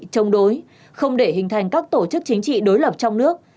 chống đối không để hình thành các tổ chức chính trị đối lập trong nước